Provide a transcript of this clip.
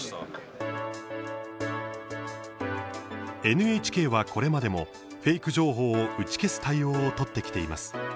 ＮＨＫはこれまでもフェーク情報を打ち消す対応を取ってきています。